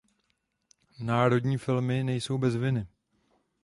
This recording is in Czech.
Nadnárodní firmy nejsou bez viny.